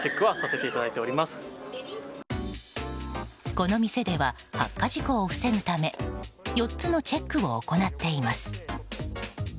この店では発火事故を防ぐため４つのチェックを行っています。